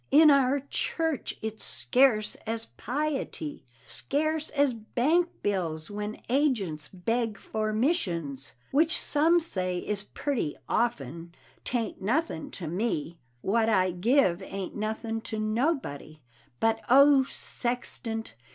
in our church its scarce as piety, Scarce as bankbills when ajunts beg for mishuns, Which sum say is purty often, taint nuthin to me, What I give aint nuthing to nobody; but O Sextant!